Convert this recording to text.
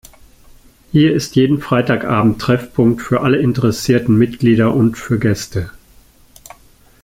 Hier ist jeden Freitagabend Treffpunkt für alle interessierten Mitglieder und für Gäste.